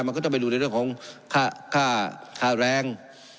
มันก็ต้องไปดูในเรื่องของค่าแรง